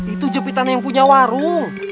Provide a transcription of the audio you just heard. itu jepitan yang punya warung